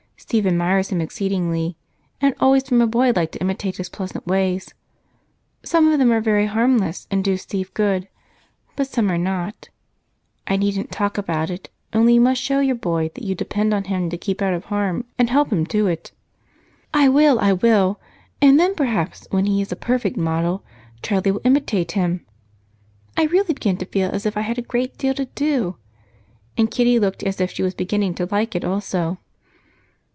Steve admires him exceedingly, and always from a boy liked to imitate his pleasant ways. Some of them are very harmless and do Steve good, but some are not. I needn't talk about it, only you must show your boy that you depend on him to keep out of harm and help him do it." "I will, I will! And then perhaps, when he is a perfect model, Charlie will imitate him. I really begin to feel as if I had a great deal to do." And Kitty looked as if she was beginning to like it also.